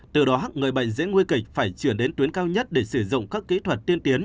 từ đó người bệnh dễ nguy kịch phải chuyển đến tuyến cao nhất để sử dụng các kỹ thuật tiên tiến